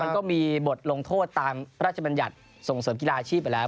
มันก็มีบทลงโทษตามพระราชบัญญัติส่งเสริมกีฬาอาชีพไปแล้ว